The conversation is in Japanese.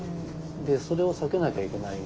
それを避けなきゃいけない。